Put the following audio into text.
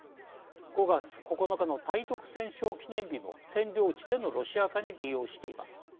５月９日の対独戦勝記念日も占領地でのロシア化に利用しています。